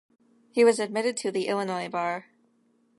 He was admitted to the Illinois bar.